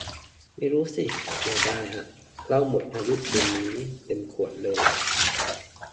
ไม่รู้สิ เสียดายอะ เหล้าหมดอายุคืนนี้ เต็มขวดเลย